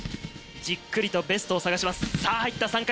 じっくりとベストを探します。